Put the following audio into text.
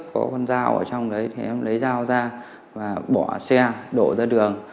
có con dao ở trong đấy thì em lấy dao ra và bỏ xe đổ ra đường